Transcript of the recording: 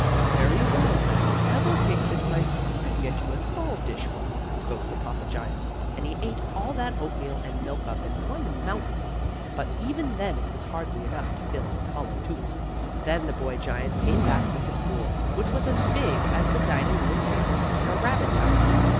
"Very well, then, I will take this myself, and get you a small dish full," spoke the papa giant, and he ate all that oatmeal and milk up at one mouthful, but even then it was hardly enough to fill his hollow tooth. Then the boy giant came back with the spool, which was as big as the dining room table in a rabbit's house.